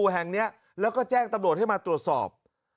แห่งนี้แล้วก็แจ้งตำรวจให้มาตรวจสอบ